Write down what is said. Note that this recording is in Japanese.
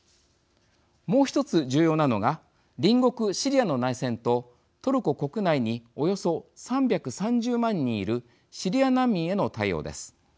もうひとつ重要なのが隣国シリアの内戦とトルコ国内におよそ３３０万人いるシリア難民への対応です。